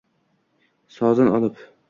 Sozin olib